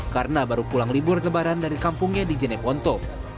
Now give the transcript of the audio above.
karena baru pulang libur kebaran dari kampungnya di jeneponto